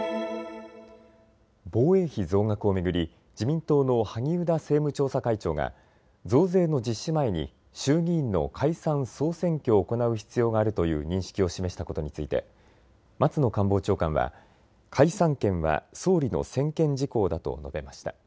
防衛費増額を巡り、自民党の萩生田政務調査会長が増税の実施前に衆議院の解散総選挙を行う必要があるという認識を示したことについて松野官房長官は解散権は総理の専権事項だと述べました。